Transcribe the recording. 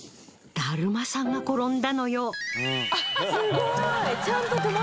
だるまさんが転んだ！